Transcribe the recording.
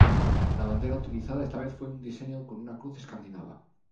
La bandera utilizada esta vez fue un diseño con una cruz escandinava.